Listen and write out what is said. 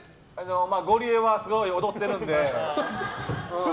ゴリエはすごい踊ってるので。